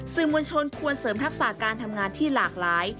มวลชนควรเสริมทักษะการทำงานที่หลากหลาย